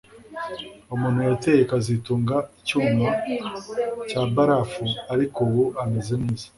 Umuntu yateye kazitunga icyuma cya barafu ariko ubu ameze neza